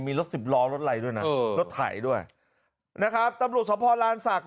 มีรถสิบล้อรถอะไรด้วยนะรถไถด้วยนะครับตำรวจสภลานศักดิ